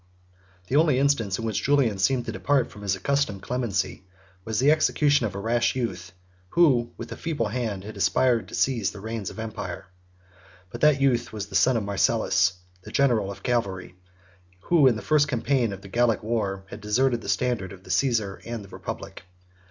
The only instance in which Julian seemed to depart from his accustomed clemency, was the execution of a rash youth, who, with a feeble hand, had aspired to seize the reins of empire. But that youth was the son of Marcellus, the general of cavalry, who, in the first campaign of the Gallic war, had deserted the standard of the Cæsar and the republic.